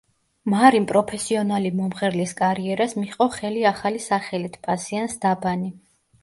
მარიმ პროფესიონალი მომღერლის კარიერას მიჰყო ხელი ახალი სახელით—პასიანს დაბანი.